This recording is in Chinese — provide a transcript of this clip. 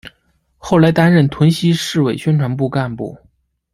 后来担任屯溪市委宣传部干部。